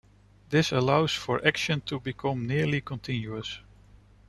This allows for action to become nearly continuous.